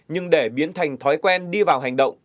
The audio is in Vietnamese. nhưng để biến thành thói quen đi vào hành động